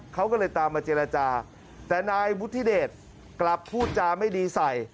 เขาก็เลยตามมาเจรจาแต่นายวุฒิเดชกลับพูดจาไม่ดีใส่